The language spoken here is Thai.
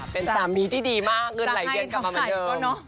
เป็นสามีที่ดีมากเงินไหลเย็นกลับมาเหมือนเดิม